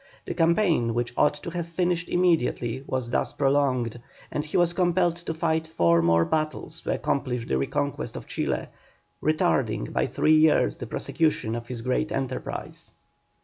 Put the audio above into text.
The campaign which ought to have finished immediately was thus prolonged, and he was compelled to fight four more battles to accomplish the reconquest of Chile, retarding by three years the prosecution of his great enterprise.